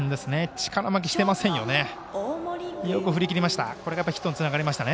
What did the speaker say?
力負けしてませんよね。